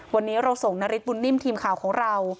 วันนี้เราส่งนฤทธบุญนิ่มทีมข่าวของเรา